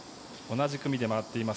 同じ組で回っています